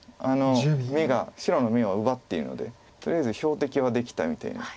白の眼は奪っているのでとりあえず標的はできたみたいな。